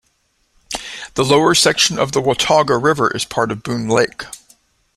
The lower section of the Watauga River is part of Boone Lake.